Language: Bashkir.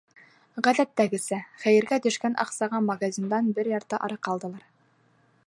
Ғәҙәттәгесә, хәйергә төшкән аҡсаға магазиндан бер ярты араҡы алдылар.